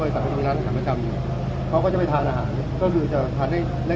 จริงเขาเข้ามาเนี่ยเมื่อประมาณสัก๗ปีที่แล้ว